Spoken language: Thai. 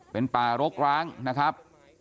เป็นป่ารกร้างนะครับ